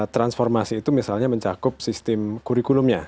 transformasi itu misalnya mencakup sistem kurikulumnya